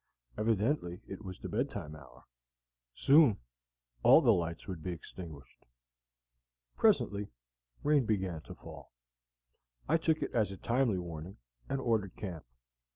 Evidently it was the bed time hour; soon all the lights would be extinguished. Presently rain began to fall. I took it as a timely warning, and ordered camp.